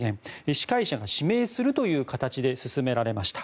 司会者が指名するという形で進められました。